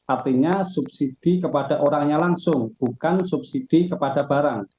artinya subsidi kepada orangnya langsung bukan subsidi kepada barang